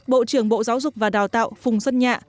bộ trưởng bộ giáo dục và đào tạo phùng xuân nhạ